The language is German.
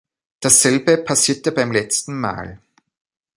Dasselbe passierte beim letzten Mal.